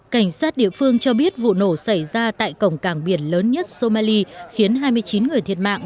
cảnh sát địa phương cho biết vụ nổ xảy ra tại cổng cảng biển lớn nhất somalia khiến hai mươi chín người thiệt mạng